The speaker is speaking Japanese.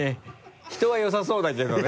人は良さそうだけどね